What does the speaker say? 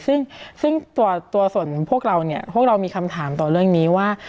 ซึ่งตัวส่วนพวกเราเนี่ยพวกเรามีคำถามต่อเรื่องนี้ว่า